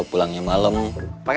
aku mahnya naruh disana selama singin